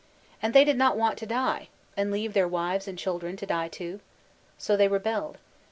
And they did not want to die, and leave their wives and children to die too. So they rebelled.